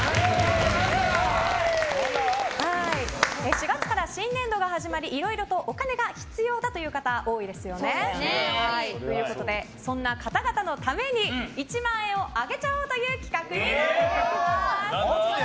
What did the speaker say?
４月から新年度が始まりいろいろとお金が必要だという方多いですよね。ということでそんな方々のために１万円をあげちゃおうという企画が始まります。